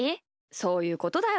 そういうことだよ。